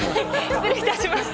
失礼いたしました。